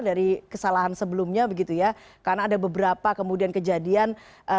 dari kesalahan sebelumnya karena ada beberapa kemudian kejadian